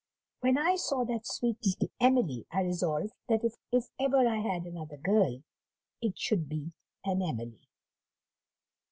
When I saw that sweet little Emily, I resolved, that if ever I had another girl, it should be an Emily.